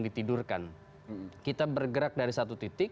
ditidurkan kita bergerak dari satu titik